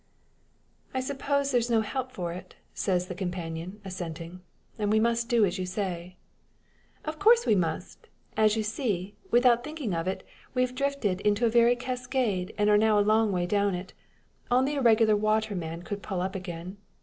"I suppose there's no help for it," says the companion, assenting, "and we must do as you say." "Of course, we must. As you see, without thinking of it, we've drifted into a very cascade and are now a long way down it. Only a regular waterman could pull up again.